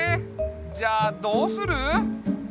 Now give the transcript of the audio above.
じゃあどうする？